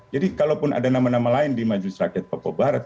jadi kalaupun ada nama nama lain di majelis rakyat papua barat